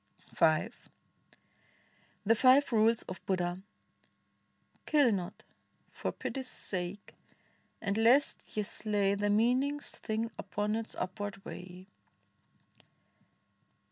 V THE FIVE RULES OF BUDDHA Kill not — for Pity's sake — and lest ye slay The meanest thing upon its upward way.